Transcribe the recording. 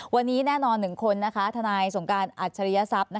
วันนี้แน่นอน๑คนนะคะทนายสงการอัชริยสัพ